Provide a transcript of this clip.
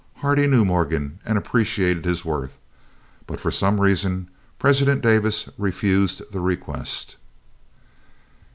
Hardie knew Morgan, and appreciated his worth, but for some reason President Davis refused the request.